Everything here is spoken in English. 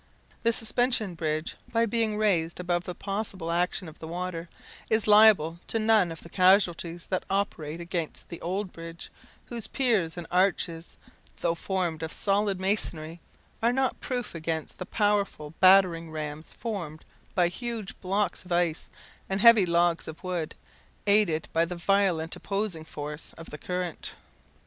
The Suspension Bridge, by being raised above the possible action of the water, is liable to none of the casualties that operate against the old bridge, whose piers and arches, though formed of solid masonry, are not proof against the powerful battering rams formed by huge blocks of ice and heavy logs of wood, aided by the violent opposing force of the current.